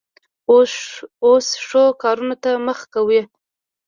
اوس ښو کارونو ته مخه کوي.